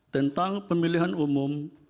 tentang pemilihan umum